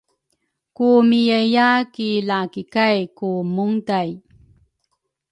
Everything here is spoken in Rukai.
Ku miyaiya ki lakikay ku munday